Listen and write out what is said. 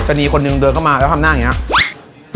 คนนี้คนหนึ่งเดินเกิดออกแล้วก็ข้ามหน้าคนนี้